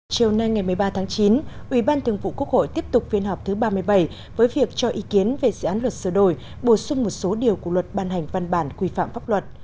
chiều nay ngày một mươi ba tháng chín ủy ban thường vụ quốc hội tiếp tục phiên họp thứ ba mươi bảy với việc cho ý kiến về dự án luật sửa đổi bổ sung một số điều của luật ban hành văn bản quy phạm pháp luật